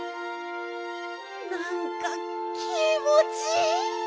なんか気もちいい！